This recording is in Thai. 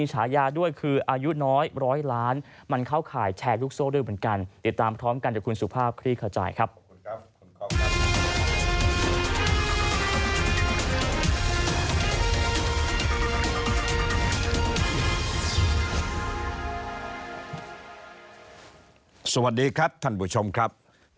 สวัสดีครับท่านผู้ชมครับ